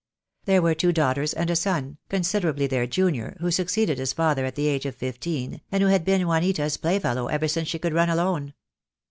There were two daughters and a son, considerably their junior, who succeeded his father at the age of fifteen, and who had been Juanita's playfellow ever since she could run alone.